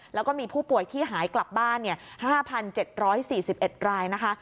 แล้วก็มีผู้ป่วยที่หายกลับบ้าน๕๗๔๑รายนะคะ